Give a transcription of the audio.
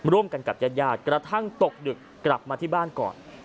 ร่วมกันกับญาติญาติกระทั่งตกดึกกลับมาที่บ้านก่อน